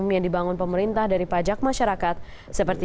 jangan dikasih gaji